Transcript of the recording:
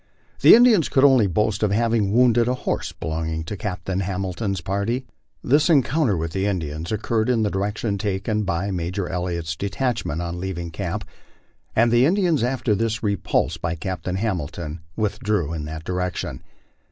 The ^'Indians could only boast of having wounded a horse belonging to Captain Hamilton's party. This encounter with the Indians occurred in the direction taken by Major Elliot's detachment on leaving camp, and the Indians, after this repulse by Captain Hamilton, withdrew in that direction.